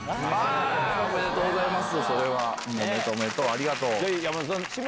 ありがとうございます。